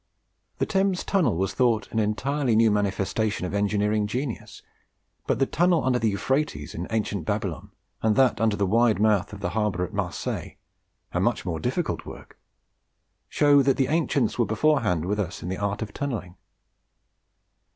The Thames Tunnel was thought an entirely new manifestation of engineering genius; but the tunnel under the Euphrates at ancient Babylon, and that under the wide mouth of the harbour at Marseilles (a much more difficult work), show that the ancients were beforehand with us in the art of tunnelling.